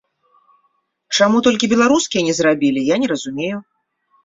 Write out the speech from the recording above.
Чаму толькі беларускія не зрабілі, я не разумею.